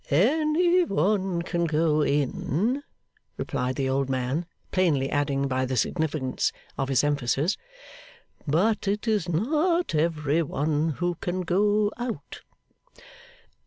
'Any one can go in,' replied the old man; plainly adding by the significance of his emphasis, 'but it is not every one who can go out.